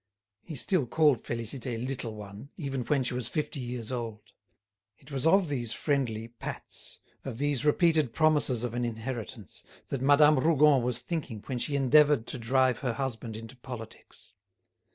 He still called Félicité "little one," even when she was fifty years old. It was of these friendly pats, of these repeated promises of an inheritance, that Madame Rougon was thinking when she endeavoured to drive her husband into politics.